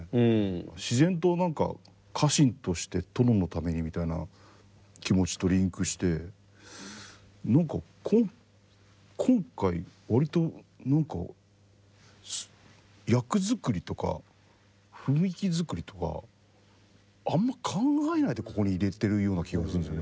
自然と何か家臣として殿のためにみたいな気持ちとリンクして何か今回割と何か役作りとか雰囲気作りとかあんま考えないでここにいれてるような気がするんですよね